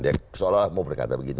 dia seolah olah mau berkata begitu